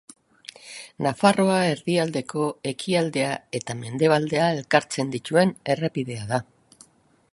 Nafarroa erdialdeko ekialdea eta mendebaldea elkartzen dituen errepidea da.